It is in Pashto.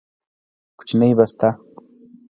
کوچنۍ بسته